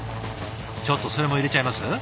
ちょっとそれも入れちゃいます？